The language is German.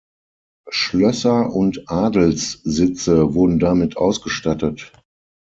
Schlösser und Adelssitze wurden damit ausgestattet.